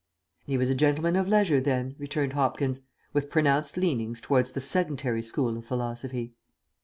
"He was a gentleman of leisure, then," returned Hopkins, "with pronounced leanings towards the sedentary school of philosophy."